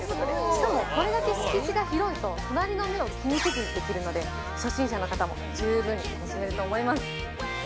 しかも、これだけ敷地が広いと隣の目を気にせずにできるので初心者の方も十分に楽しめると思います。